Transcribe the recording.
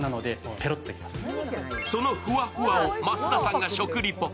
そのふわっふわを増田さんが食リポ。